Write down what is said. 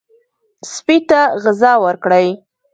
سپي ته غذا ورکړئ.